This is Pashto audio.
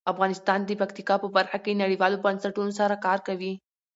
افغانستان د پکتیکا په برخه کې نړیوالو بنسټونو سره کار کوي.